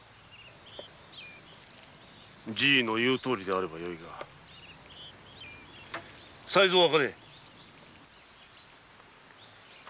じぃの言うとおりであればよいが才三茜